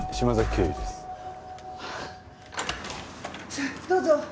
さあどうぞ。